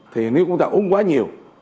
thì nếu chúng ta uống quá nhiều